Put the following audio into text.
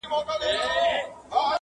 • باغچې د ګلو سولې ویجاړي -